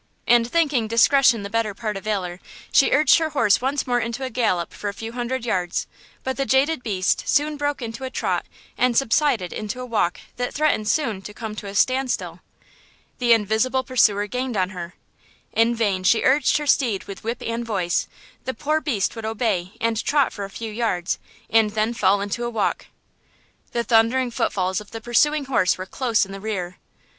And thinking "discretion the better part of valor," she urged her horse once more into a gallop for a few hundred yards; but the jaded beast soon broke into a trot and subsided into a walk that threatened soon to come to a standstill. The invisible pursuer gained on her. In vain she urged her steed with whip and voice; the poor beast would obey and trot for a few yards, and then fall into a walk. The thundering footfalls of the pursuing horse were close in the rear.